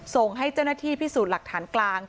ส่งให้เจ้าหน้าที่พิสูจน์หลักฐานกลาง